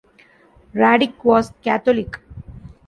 Kraddick was Catholic.